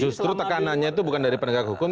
justru tekanannya itu bukan dari penegak hukum